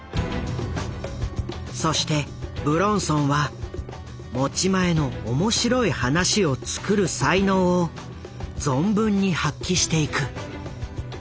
そして武論尊は持ち前の「面白い話を作る」才能を存分に発揮していく。